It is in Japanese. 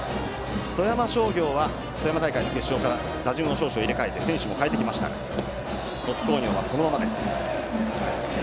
富山商業は富山大会の決勝から打順を少々入れ替えて選手も代えましたが鳥栖工業はそのまま。